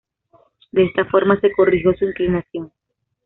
De esta forma se corrigió su inclinación.